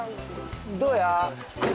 どうや？